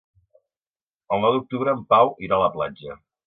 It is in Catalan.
El nou d'octubre en Pau irà a la platja.